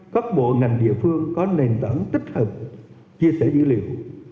một trăm linh các bộ ngành địa phương có nền tảng tích hợp chia sẻ dữ liệu